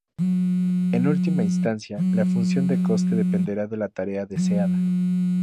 En última instancia, la función de coste dependerá de la tarea deseada.